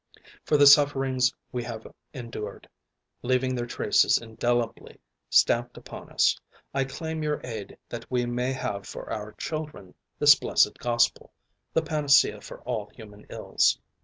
For the sufferings we have endured, leaving their traces indelibly stamped upon us, I claim your aid that we may have for our children this blessed Gospel, the panacea for all human ills.